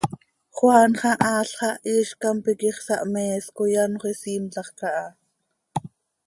Juan xah, aal xah, iizcam piquix, sahmees coi anxö isiimlajc aha.